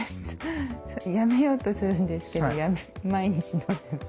やめようとするんですけど毎日飲んでます。